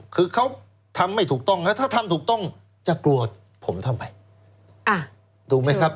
คือเขาทำไม่ถูกต้องนะถ้าทำถูกต้องจะกลัวผมทำไมถูกไหมครับ